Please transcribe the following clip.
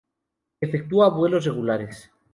Efectúa vuelos regulares.